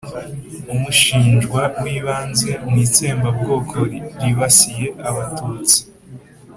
umushinjwa w'ibanze mu itsembabwoko ribasiye abatutsi